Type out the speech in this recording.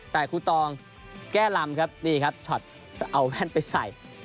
แต่ครูตองแก้ลำครับนี่ครับช็อตเอาแว่นไปใส่